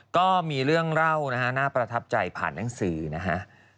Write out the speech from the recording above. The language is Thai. ก็มีเรื่องเล่านะฮะน่าประทับใจผ่านหนังสือนะฮะ